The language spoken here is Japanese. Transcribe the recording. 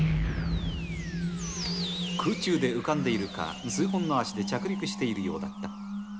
空中で浮かんでいるか、数本の足で着陸しているようだった。